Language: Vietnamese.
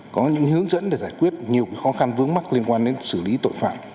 có những hướng dẫn để giải quyết nhiều khó khăn vướng mắt liên quan đến xử lý tội phạm